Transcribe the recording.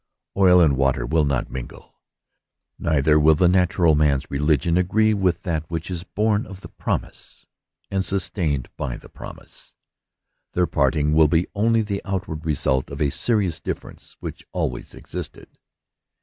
Oil and water will not mingle, neither will the natural man's religion agree with that which is born of the promise^ and sustained by the promise. Their parting will be only the outward result of a serious difference which always existed.